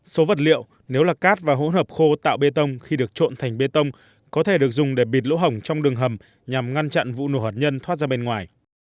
số vật liệu nếu là cát và hỗn hợp khô tạo bê tông khi được trộn thành bê tông có thể được dùng để bịt lỗ hồng trong đường hầm nhằm ngăn chặn vụ nổ hạt nhân thoát ra bên ngoài